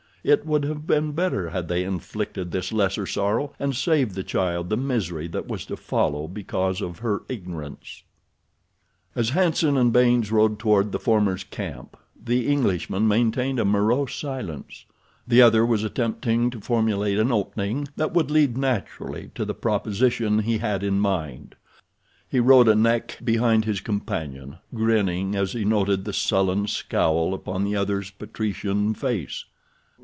It would have been better had they inflicted this lesser sorrow, and saved the child the misery that was to follow because of her ignorance. As Hanson and Baynes rode toward the former's camp the Englishman maintained a morose silence. The other was attempting to formulate an opening that would lead naturally to the proposition he had in mind. He rode a neck behind his companion, grinning as he noted the sullen scowl upon the other's patrician face.